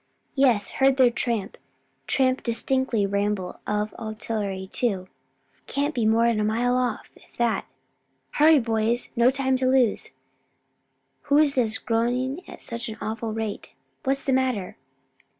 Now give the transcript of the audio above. "Yes, heard their tramp, tramp distinctly ramble of artillery too. Can't be more'n a mile off, if that. Hurry, boys, no time to lose! Who's this groaning at such an awful rate? What's the matter?"